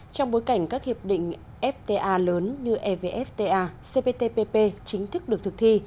trong bối cảnh các hiệp định fta lớn như evfta cptpp chính thức được thực thi